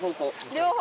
両方？